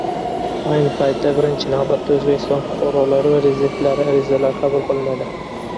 Ayni paytda birinchi navbatda O‘zbekiston fuqarolari va rezidentlarining arizalari qabul qilinadi